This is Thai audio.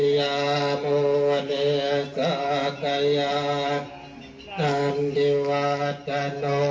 อยู่หน้าสถานที่วัดสัมภาร